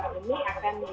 resisi undang undang mk